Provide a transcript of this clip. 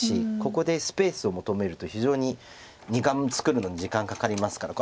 ここでスペースを求めると非常に２眼作るのに時間がかかりますから。